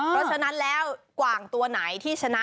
เพราะฉะนั้นแล้วกว่างตัวไหนที่ชนะ